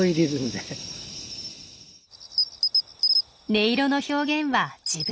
音色の表現は自分らしく。